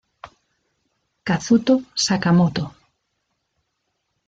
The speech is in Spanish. Kazuto Sakamoto